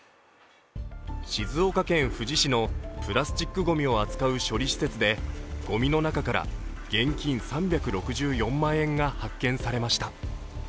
静岡県富士市のプラスチックごみを扱う処理施設でごみの中から現金３６４万円が発見されました。